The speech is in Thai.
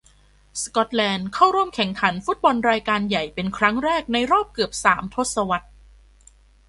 สกอตแลนด์ เข้าร่วมแข่งขันฟุตบอลรายการใหญ่เป็นครั้งแรกในรอบเกือบสามทศวรรษ